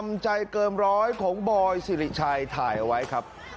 คำใจเกินร้อยของบอยสิริชัยถ่ายเอาไว้ครับ